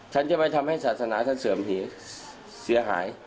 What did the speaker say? ฉันจะไปทำให้ศาสนาท่านเสื่อมผีเสียหาย